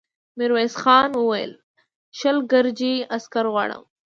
ميرويس خان وويل: شل ګرجي عسکر غواړم.